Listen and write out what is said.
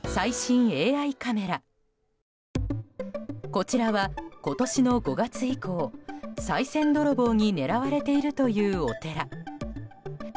こちらは、今年の５月以降さい銭泥棒に狙われているという、お寺。